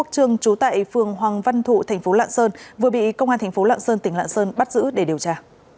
công an tỉnh lạng sơn bắt giữ để điều tra